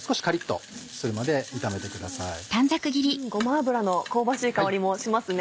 ごま油の香ばしい香りもしますね。